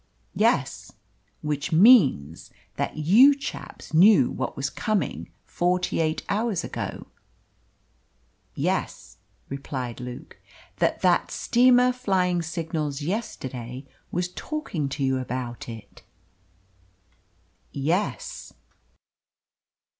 "Yes." "Which means that you chaps knew what was coming forty eight hours ago?" "Yes," replied Luke. "That that steamer flying signals yesterday was talking to you about it?" "Yes."